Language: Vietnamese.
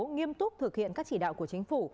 nghiêm túc thực hiện các chỉ đạo của chính phủ